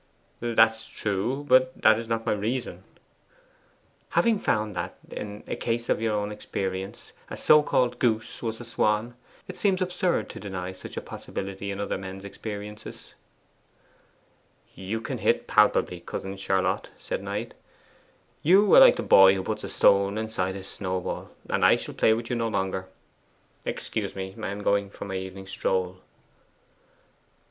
'That's true; but that is not my reason.' 'Having found that, in a case of your own experience, a so called goose was a swan, it seems absurd to deny such a possibility in other men's experiences.' 'You can hit palpably, cousin Charlotte,' said Knight. 'You are like the boy who puts a stone inside his snowball, and I shall play with you no longer. Excuse me I am going for my evening stroll.